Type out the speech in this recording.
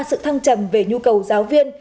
sự thăng chậm về nhu cầu giáo viên